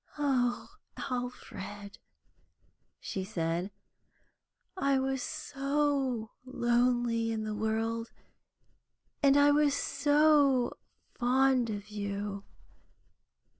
"Oh, Alfred," she said, "I was so lonely in the world, and I was so fond of you!"